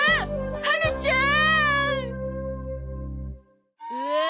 はるちゃん！